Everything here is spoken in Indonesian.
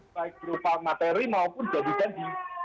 baik berupa materi maupun jadikan di